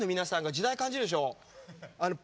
時代感じるでしょ。